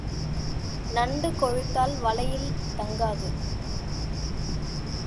நண்டு கொழுத்தால் வலையில் தங்காது.